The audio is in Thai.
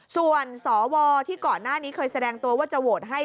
ส่วนสวที่ก่อนหน้านี้เคยแสดงตัวว่าจะโหวตให้